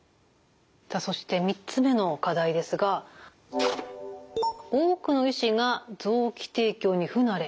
そして３つ目の課題ですが多くの医師が臓器提供に不慣れ。